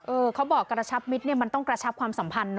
เขาบอกกระชับมิตรเนี่ยมันต้องกระชับความสัมพันธ์นะ